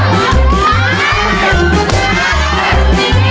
มั่นเตี๊ยง